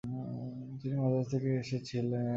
তিনি মাদ্রাজ থেকে এসেছিলেন।